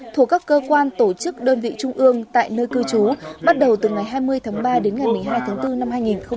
thuộc các cơ quan tổ chức đơn vị trung ương tại nơi cư trú bắt đầu từ ngày hai mươi tháng ba đến ngày một mươi hai tháng bốn năm hai nghìn hai mươi